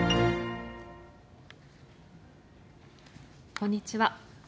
こんにちは。